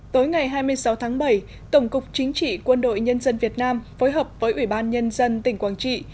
tối ngày hai mươi sáu tháng bảy tổng cục chính trị quân đội nhân dân việt nam phối hợp với ủy ban nhân dân tỉnh quảng trị